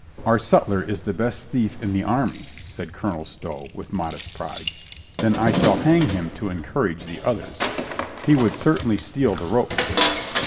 "Our sutler is the best thief in the army," said Colonel Stow with modest pride. "Then I shall hang him to encourage the others." "He would certainly steal the rope, sir."